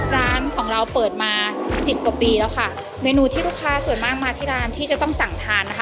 ร้านของเราเปิดมาสิบกว่าปีแล้วค่ะเมนูที่ลูกค้าส่วนมากมาที่ร้านที่จะต้องสั่งทานนะคะ